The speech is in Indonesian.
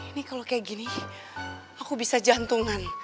ini kalau kayak gini aku bisa jantungan